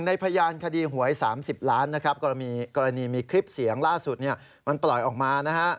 พยานคดีหวย๓๐ล้านนะครับกรณีมีคลิปเสียงล่าสุดมันปล่อยออกมานะฮะ